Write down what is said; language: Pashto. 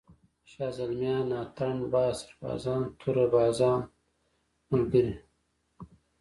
شازِلْمیان، اتڼ باز، سربازان، توره بازان ملګري!